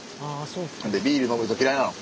ビール飲む人嫌いなの？